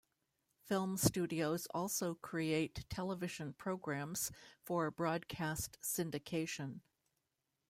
Film studios also create television programs for broadcast syndication.